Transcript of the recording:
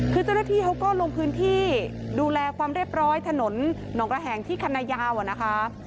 คือเจ้าหน้าที่เขาก็ลงพื้นที่ดูแลความเรียบร้อยถนนหนองระแหงที่คณะยาวอะนะคะ